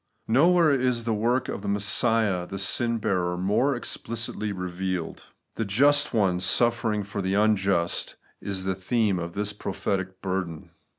Nowhere is the work of Messiah the sin bearer more explicitly revealed. The just One suffering for the imjust is the theme of this prophetic burden.